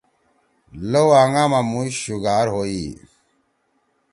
لؤآنگا ما مُوش شُوگار ہوئی۔